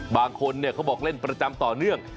บางคนเขาบอกเล่นประจำต่อเนื่อง